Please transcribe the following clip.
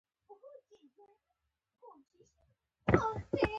ځینې ژاولې د میوې خوند لري.